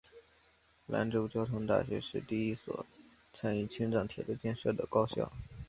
兰州交通大学是第一所参与青藏铁路建设的高校。